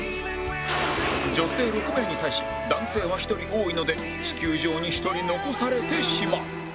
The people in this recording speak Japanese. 女性６名に対し男性は１人多いので地球上に１人残されてしまう